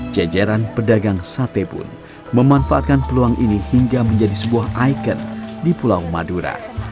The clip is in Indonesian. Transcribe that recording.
jajaran pedagang sate pun memanfaatkan peluang ini hingga menjadi sebuah ikon di pulau madura